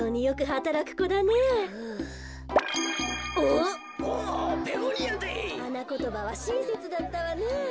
はなことばはしんせつだったわね。